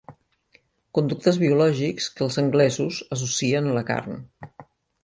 Conductes biològics que els anglesos associen a la carn.